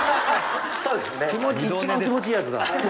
そうですね。